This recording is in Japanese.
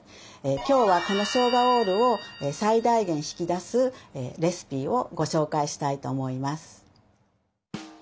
今日はこのショウガオールを最大限引き出すレシピをご紹介したいと思います。